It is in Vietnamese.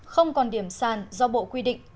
không còn điểm sàn do bộ quy định